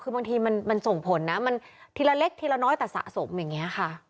คือบางทีมันส่งผลนะมันทีละเล็กทีละน้อยแต่สะสมอย่างนี้ค่ะ